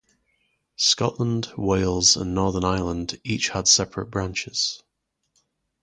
Scotland, Wales and Northern Ireland each had separate branches.